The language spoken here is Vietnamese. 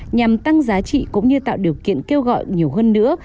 nhằm tăng giá trị cũng như tạo điều kiện kêu gọi nhiều hơn nữa